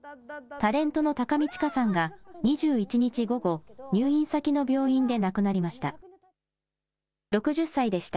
タレントの高見知佳さんが、２１日午後、入院先の病院で亡くなりました。